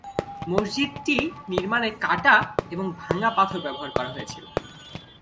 মসজিদটি নির্মাণে কাটা এবং ভাঙ্গা পাথর ব্যবহার করা হয়েছিল।